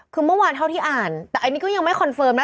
คือเมื่อวานเท่าที่อ่านแต่อันนี้ก็ยังไม่คอนเฟิร์มนะ